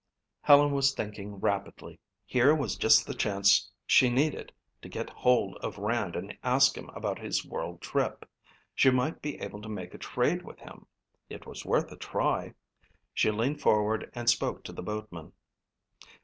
Helen was thinking rapidly. Here was just the chance she needed to get hold of Rand and ask him about his world trip. She might be able to make a trade with him. It was worth a try. She leaned forward and spoke to the boatman.